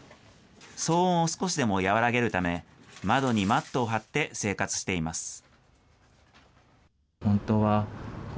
騒音を少しでも和らげるため、窓にマットをはって生活しています。